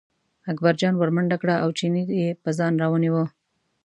اکبرجان ور منډه کړه او چینی یې په ځان راونیوه.